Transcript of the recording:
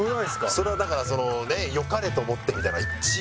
それはだから良かれと思ってみたいなのが一番。